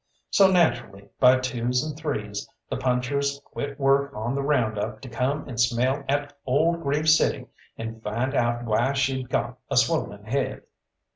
So naturally by twos and threes the punchers quit work on the round up to come and smell at old Grave City and find out why she'd got a swollen head.